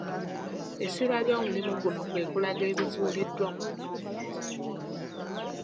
Essira ly'omulimu guno kwe kulanga ebizuuliddwa mu kunoonyereza.